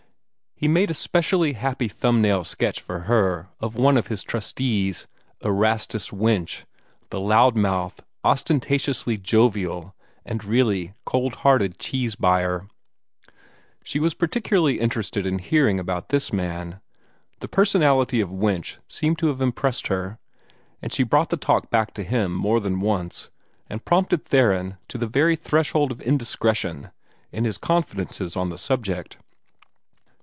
He made a specially happy thumb nail sketch for her of one of his trustees, Erastus Winch, the loud mouthed, ostentatiously jovial, and really cold hearted cheese buyer. She was particularly interested in hearing about this man. The personality of Winch seemed to have impressed her, and she brought the talk back to him more than once, and prompted Theron to the very threshold of indiscretion in his confidences on the subject.